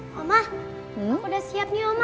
mama aku udah siap nih mama